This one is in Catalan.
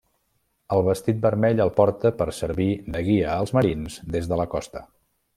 El vestit vermell el porta per servir de guia als marins des de la costa.